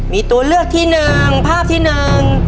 มีตัวเลือกที่หนึ่งภาพที่หนึ่ง